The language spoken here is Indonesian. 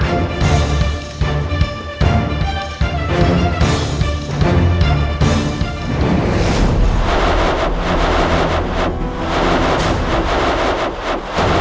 aku mau kesana